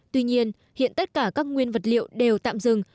tuy nhiên hiện tất cả các nguyên vật liệu đều tạm dừng